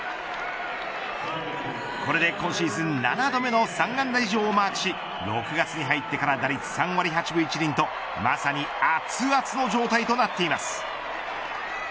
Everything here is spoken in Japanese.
これで今シーズン７度目の３安打以上をマークし６月に入ってから打率３割８分１厘と、まさにアツアツの状態となっています。